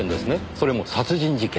それも殺人事件。